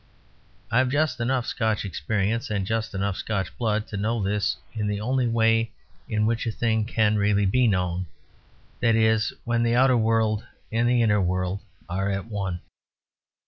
I have just enough Scotch experience and just enough Scotch blood to know this in the only way in which a thing can really be known; that is, when the outer world and the inner world are at one.